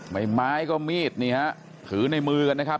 ไม้ไม้ก็มีดนี่ฮะถือในมือกันนะครับ